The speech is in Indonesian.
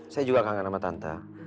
saya juga kangen sama tante